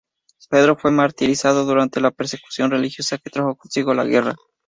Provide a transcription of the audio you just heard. Pedro fue martirizado durante la persecución religiosa que trajo consigo la guerra.